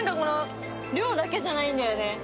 量だけじゃないんだよね。